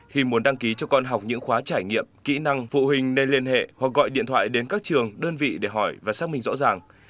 khi muốn đăng ký cho con học những khóa trải nghiệm kỹ năng phụ huynh nên liên hệ hoặc gọi điện thoại đến các trường đơn vị để hỏi và xác minh rõ ràng